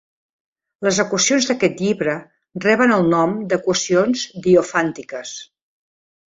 Les equacions d'aquest llibre reben el nom d'equacions diofàntiques.